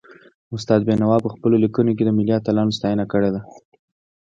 استاد بينوا په پخپلو ليکنو کي د ملي اتلانو ستاینه کړې ده.